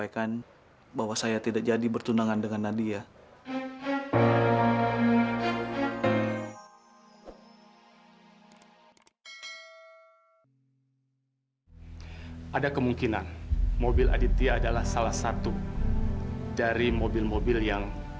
sampai jumpa di video selanjutnya